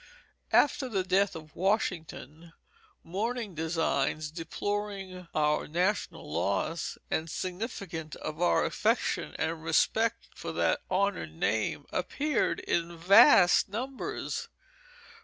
After the death of Washington, mourning designs deploring our national loss and significant of our affection and respect for that honored name appeared in vast numbers.